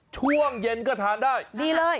ช่วงเย็นก็ทานได้ดีเลย